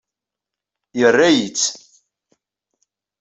Yerra-yi-tt.